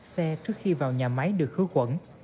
xe trước khi vào nhà máy được hứa quẩn